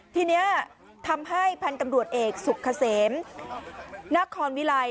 ทีนี้ทำให้พันธุ์ตำรวจเอกสุขเกษมนครวิลัย